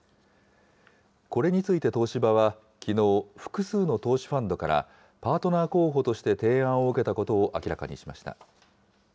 これについて東芝はきのう、複数の投資ファンドからパートナー候補として提案を受けたことを明らかにしました。